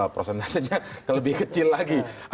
prosesnya sejauh lebih kecil lagi